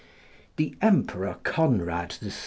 The Emperor Conrad III.